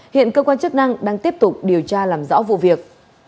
hiện cơ quan chức năng đang tiếp tục điều tra làm rõ vụ việc